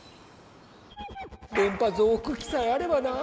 電波増幅器さえあればな。